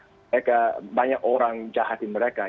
mereka banyak orang jahatin mereka